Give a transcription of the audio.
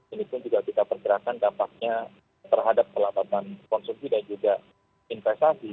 ini pun juga kita pergerakan dampaknya terhadap kelabatan konsumsi dan juga inflasi